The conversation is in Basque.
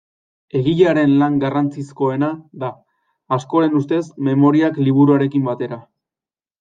Egilearen lan garrantzizkoena da, askoren ustez, Memoriak liburuarekin batera.